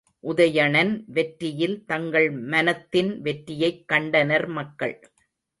உதயணன் வெற்றியில் தங்கள் மனத்தின் வெற்றியைக் கண்டனர் மக்கள்.